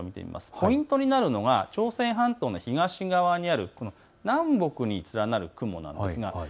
ポイントになるのが朝鮮半島の東側にある南北に連なる雲なんです。